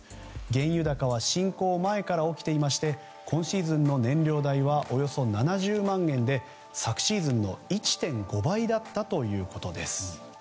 原油高は侵攻前から起きていまして今シーズンの燃料代はおよそ７０万円で昨シーズンの１．５倍だったということです。